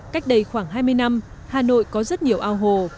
cách đây khoảng hai mươi năm hà nội có rất nhiều ao hồ